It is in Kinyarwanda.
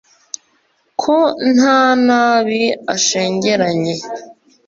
ko nta nabi ashengeranye